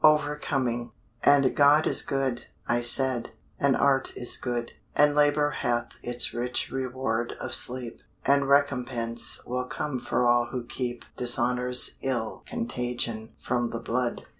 OVERCOMING And God is good, I said, and Art is good, And labour hath its rich reward of sleep; And recompense will come for all who keep Dishonour's ill contagion from the blood.